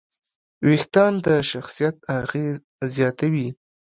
وېښتيان د شخصیت اغېز زیاتوي.